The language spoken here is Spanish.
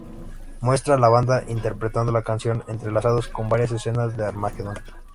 Muestra a la banda interpretando la canción entrelazados con varias escenas de "Armageddon".